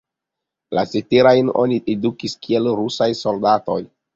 La ceterajn oni edukis kiel rusaj soldatoj.